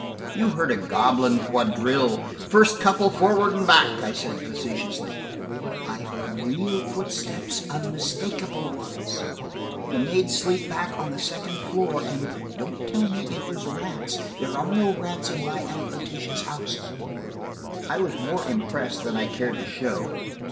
"You heard a goblin quadrille. First couple forward and back," I said facetiously. "I heard real footsteps–unmistakable ones. The maids sleep back on the second floor, and–don't tell me it was rats. There are no rats in my Aunt Letitia's house." I was more impressed than I cared to show.